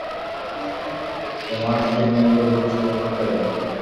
তোমার ফ্লেমিঙ্গোগুলো সবেমাত্র এলো।